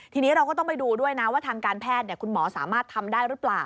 ทีนี้เราก็ต้องไปดูด้วยนะว่าทางการแพทย์คุณหมอสามารถทำได้หรือเปล่า